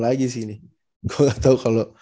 lagi sih ini gue gak tau kalau